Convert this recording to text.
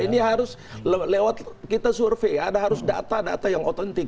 ini harus lewat kita survei ada harus data data yang otentik